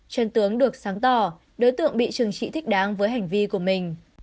chân tướng được sáng tỏ đối tượng bị trừng trị thích đáng với hành vi của mình